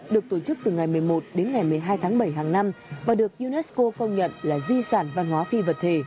được tổ chức từ ngày một mươi một đến ngày một mươi hai tháng bảy hàng năm và được unesco công nhận là di sản văn hóa phi vật thể